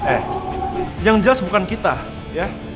eh yang jelas bukan kita ya